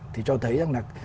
thì cho thấy rằng là